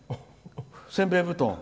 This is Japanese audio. せんべい布団。